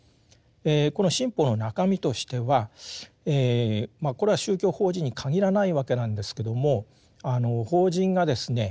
この新法の中身としてはこれは宗教法人に限らないわけなんですけども法人がですね